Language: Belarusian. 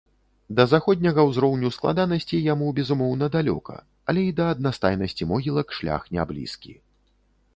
Да заходняга ўзроўню складанасці яму, безумоўна, далёка, але і да аднастайнасці могілак шлях няблізкі.